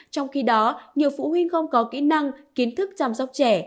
trong khi đó nhiều phụ huynh không có kỹ năng kiến thức chăm sóc trẻ